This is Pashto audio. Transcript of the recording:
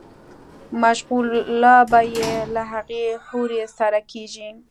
مشغولا به ئې له هغې حورې سره کيږي